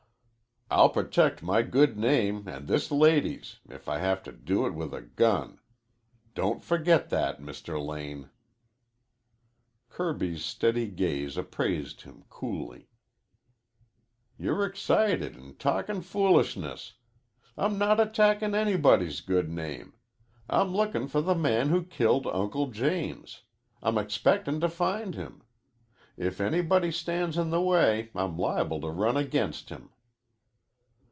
I'll protect my good name and this lady's if I have to do it with a gun. Don't forget that, Mr. Lane." Kirby's steady gaze appraised him coolly. "You're excited an' talkin' foolishness. I'm not attackin' anybody's good name. I'm lookin' for the man who killed Uncle James. I'm expectin' to find him. If anybody stands in the way, I'm liable to run against him."